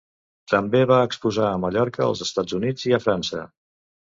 També va exposar a Mallorca, als Estats Units i a França.